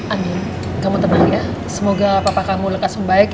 amin kamu tenang ya semoga papa kamu lekas membaik